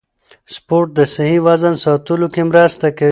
سپورت د صحي وزن ساتلو کې مرسته کوي.